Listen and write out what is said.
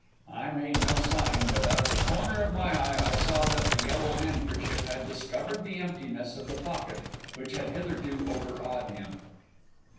I made no sign, but out of the corner of my eye I saw that the Yellow Handkerchief had discovered the emptiness of the pocket which had hitherto overawed him.